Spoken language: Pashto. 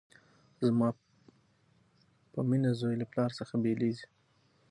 زما په مینه زوی له پلار څخه بیلیږي